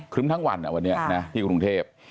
ครึ้มทั้งวันอ่ะวันนี้ที่กรุงเทพฯ